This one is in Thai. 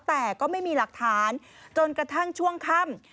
แต่ก็ไม่มีหลักฐานจนกระทั่งช่วงค่ำ